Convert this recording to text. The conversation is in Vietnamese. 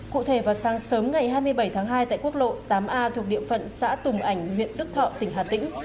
cụ thể vào sáng sớm ngày hai mươi bảy tháng hai tại quốc lộ tám a thuộc địa phận xã tùng ảnh huyện đức thọ tỉnh hà tĩnh